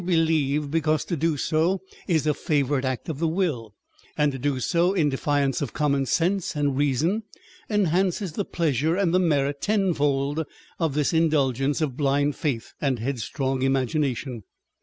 believe, because to do so is a favourite act of the will, and to do so in defiance of common sense and reason enhances the pleasure and the merit (tenfold) of this indulgence of blind faith and headstrong imagination.